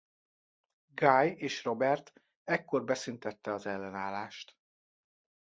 Guy és Robert ekkor beszüntette az ellenállást.